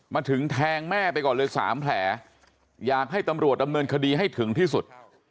มาถึงแทงแม่ไปก่อนเลย๓แผลอยากให้ตำรวจดำเนินคดีให้ถึงที่สุด